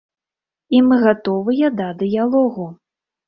І мы гатовыя да дыялогу.